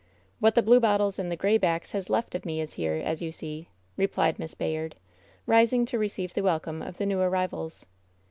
^^hat the Blue Bottles and the Gray Backs has left of me is here, as you see," replied Miss Bayard, rising to receive the welcome of the new arrivals.